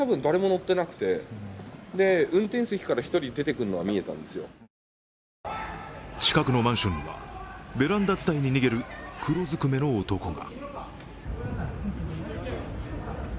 車の脇には、あの仮面が近くのマンションにはベランダ伝いに逃げる黒ずくめの男が。